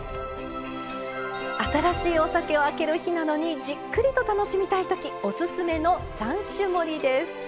新しいお酒を開ける日などにじっくりと楽しみたい時オススメの３種盛りです。